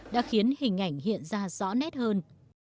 đã khiến hình ảnh hiện ra rõ nét hơn